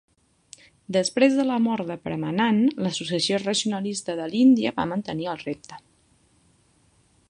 Després de la mort de Premanand, l'Associació Racionalista de l'Índia va mantenir el repte.